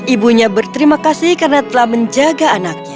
ibunya berterima kasih karena telah menjaga anaknya